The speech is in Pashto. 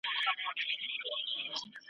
اول بویه چي انسان نه وي وطن کي ,